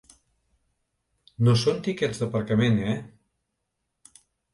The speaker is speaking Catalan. No són tiquets d’aparcament, eh?